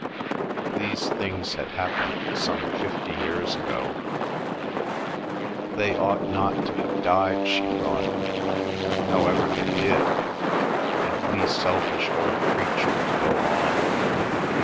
These things had happened some fifty years ago. "They ought not to have died," she thought. "However, they did—and we selfish old creatures go on."